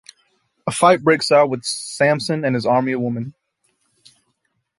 A fight breaks out with Samson and his army of women.